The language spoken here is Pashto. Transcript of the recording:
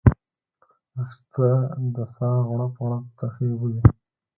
اخیسته د ساه غړپ غړپ ترخې اوبه وې